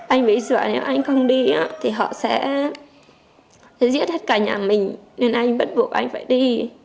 anh bị sửa nếu anh không đi á thì họ sẽ giết hết cả nhà mình nên anh bắt buộc anh phải đi